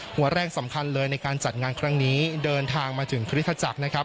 หัวแรกสำคัญเลยในการจัดงานครั้งนี้เดินทางมาถึงคริสตจักรนะครับ